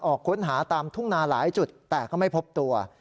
ออกค้นหาตามทุ่งนาหลายจุดแต่ก็ไม่พบตัว